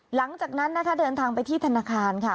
หลังจากนั้นนะคะเดินทางไปที่ธนาคารค่ะ